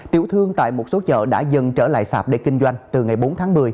tiểu thương tại một số chợ đã dần trở lại sạp để kinh doanh từ ngày bốn tháng một mươi